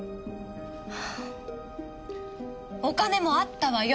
お金もあったわよ。